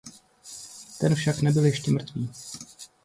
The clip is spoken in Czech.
Ten však nebyl ještě mrtvý.